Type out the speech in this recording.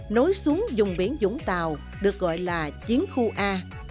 nối xuống dùng biển vũng tàu được gọi là chiến khu a